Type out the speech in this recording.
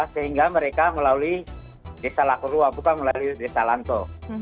sehingga mereka melalui desa lakorua bukan melalui desa lanto